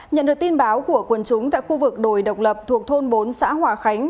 nhận được tin báo của quần chúng tại khu vực đồi độc lập thuộc thôn bốn xã hòa khánh